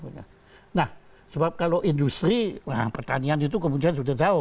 nah sebab kalau industri pertanian itu kemudian sudah jauh